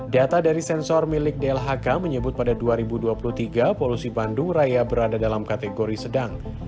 data dari sensor milik dlhk menyebut pada dua ribu dua puluh tiga polusi bandung raya berada dalam kategori sedang